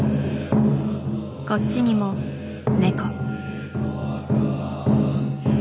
こっちにもネコ。